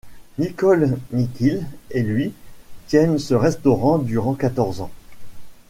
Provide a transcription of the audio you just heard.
Nicole Niquille et lui tiennent ce restaurant durant quatorze ans.